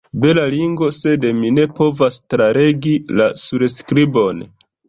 Bela ringo, sed mi ne povas tralegi la surskribon.